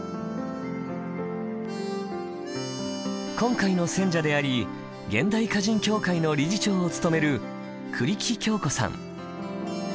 今回の選者であり現代歌人協会の理事長を務める栗木京子さん。